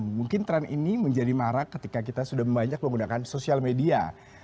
mungkin tren ini menjadi marak ketika kita sudah banyak menggunakan sosial media